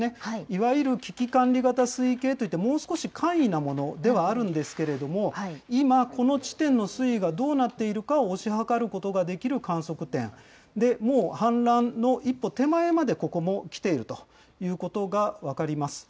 いわゆる危機管理型水位計といって、もう少し簡易なものではあるんですけれども、今、この地点の水位がどうなっているかを推し量ることができる観測点で、もう氾濫の一歩手前まで、ここも来ているということが分かります。